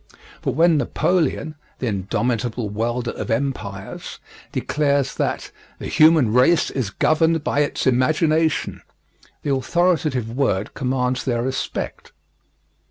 But when Napoleon the indomitable welder of empires declares that "The human race is governed by its imagination," the authoritative word commands their respect.